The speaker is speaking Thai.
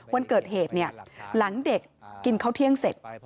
วันเกิดเหตุหลังเด็กกินข้าวเที่ยงเสร็จ